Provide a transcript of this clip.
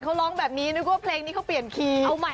เขาร้องแบบนี้นึกว่าเพลงนี้เขาเปลี่ยนคีย์